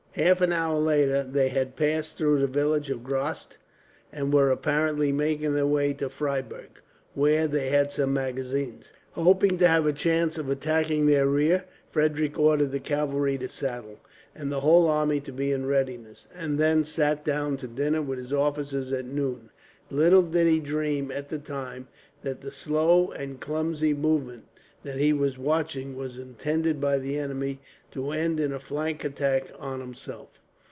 Half an hour later they had passed through the village of Grost, and were apparently making their way to Freiburg, where they had some magazines. Hoping to have a chance of attacking their rear, Frederick ordered the cavalry to saddle, and the whole army to be in readiness, and then sat down to dinner with his officers at noon. Little did he dream, at the time, that the slow and clumsy movement that he was watching was intended, by the enemy, to end in a flank attack on himself.